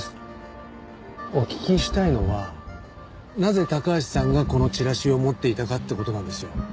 お聞きしたいのはなぜ高橋さんがこのチラシを持っていたかって事なんですよ。